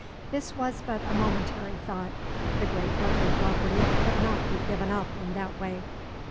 This was but a momentary thought; the great Dudley property could not be given up in that way.